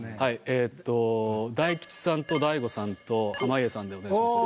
えっと大吉さんと大悟さんと濱家さんでお願いします。